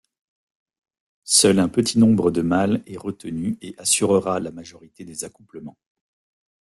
Seul un petit nombre de mâles est retenu et assurera la majorité des accouplements.